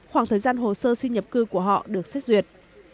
khoảng thời gian hồ sơ sinh nhập cư của họ được xét duyệt